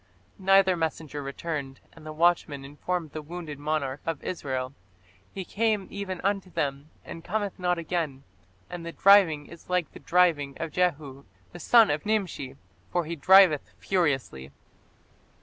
Neither messenger returned, and the watchman informed the wounded monarch of Israel, "He came even unto them, and cometh not again; and the driving is like the driving of Jehu the son of Nimshi; for he driveth furiously".